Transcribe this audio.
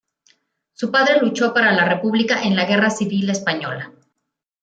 Su padre luchó para la república en la Guerra Civil Española.